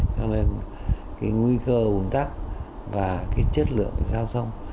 cho nên cái nguy cơ ủn tắc và cái chất lượng giao thông